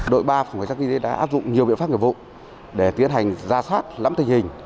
đội ba phòng khách sát nghiệp đã áp dụng nhiều biện pháp nghiệp vụ để tiến hành ra sát lắm tình hình